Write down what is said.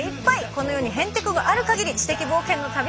この世にへんてこがあるかぎり知的冒険の旅は続きます。